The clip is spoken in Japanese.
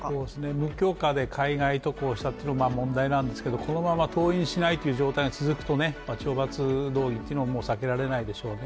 無許可で海外渡航したというのは問題なんですけど、このまま登院しないという状態が続くと懲罰動議というのも避けられないでしょうね。